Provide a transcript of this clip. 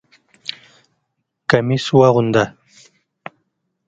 کمیس واغونده!